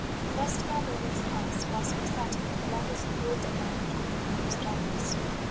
Thus did our mornings pass, whilst we sat in what the lovers of broad daylight would call almost darkness.